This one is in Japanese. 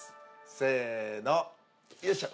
せのよいしょ！